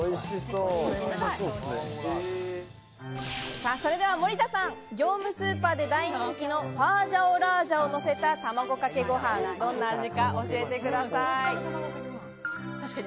それでは森田さん、業務スーパーで大人気のファージャオラージャンをのせた卵かけご飯、どんな味か教えてください。